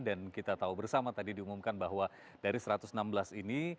dan kita tahu bersama tadi diumumkan bahwa dari satu ratus enam belas ini